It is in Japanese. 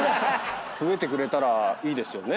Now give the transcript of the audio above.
増えてくれたらいいですよね。